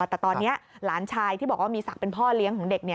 แต่ตอนนี้หลานชายที่บอกว่ามีศักดิ์เป็นพ่อเลี้ยงของเด็ก